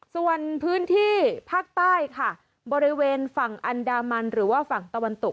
ส่วนพื้นที่ภาคใต้ค่ะบริเวณฝั่งอันดามันหรือว่าฝั่งตะวันตก